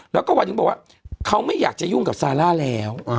แล้วก็วันหนึ่งบอกว่าเขาไม่อยากจะยุ่งกับซาร่าแล้ว